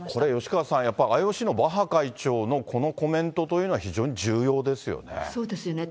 これ、吉川さん、やっぱり、ＩＯＣのバッハ会長のこのコメントというのは、非常に重要ですよ